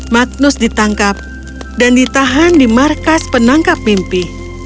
magnus ditangkap dan ditahan di markas penangkap mimpi